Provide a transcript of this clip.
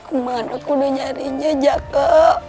kemana aku udah nyarinya jaka